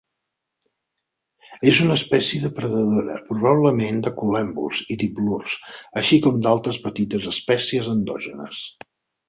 És una espècie depredadora, probablement de col·lèmbols i diplurs, així com d'altres petites espècies endògenes.